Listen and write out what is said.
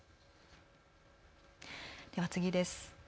では次です。